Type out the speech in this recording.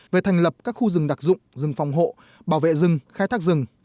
về thành lập các khu rừng đặc dụng rừng phòng hộ bảo vệ rừng khai thác rừng